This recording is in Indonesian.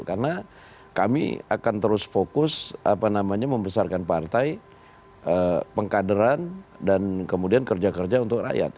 karena kami akan terus fokus apa namanya membesarkan partai pengkaderan dan kemudian kerja kerja untuk rakyat